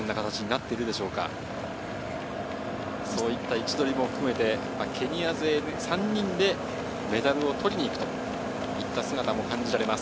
位置取りも含めてケニア勢３人で、メダルを取りに行くといった姿も感じられます。